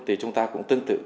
thì chúng ta cũng tương tự